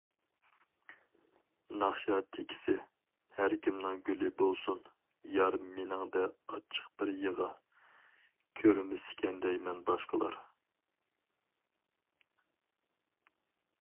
(ناخشا تېكىسى: ھەر كىمنىڭ گۈلى بولسۇن) بار مېنىڭدە ئاچچىق بىر يىغا، كۆرمىسىكەن دەيمەن باشقىلار.